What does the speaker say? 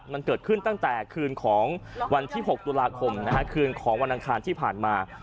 มันเกิดขึ้นตั้งแต่คืนของวันที่๖ตุลาคมคืนของวันอังคารที่ผ่านมา